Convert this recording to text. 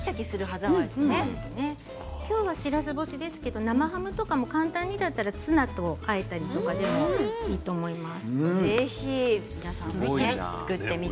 今日はしらす干しですけれども生ハムとかも簡単にだったらツナと変えてもいいと思います。